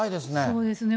そうですね。